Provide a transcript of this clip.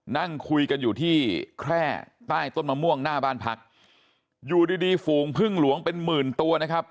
นั่งคุยกันอยู่ที่แคร่ใต้ต้นมะม่วงหน้าบ้านพักอยู่ดีดีฝูงพึ่งหลวงเป็นหมื่นตัวนะครับ